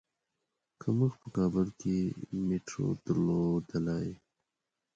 که مونږ په کابل کې مېټرو درلودلای.